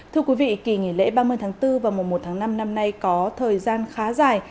thưa quý vị kỳ nghỉ lễ ba mươi tháng bốn và mùa một tháng năm năm nay có thời gian khá dài